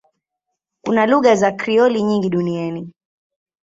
Kuna lugha za Krioli nyingi duniani.